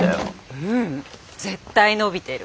ううん絶対伸びてる。